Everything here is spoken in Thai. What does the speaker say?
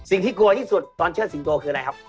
สิ่งที่กลัวที่สุดตอนเชื่อสิงโตคืออะไรครับ